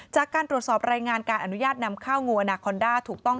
จากการตรวจสอบรายงานการอนุญาตนำข้าวงูอนาคอนด้าถูกต้อง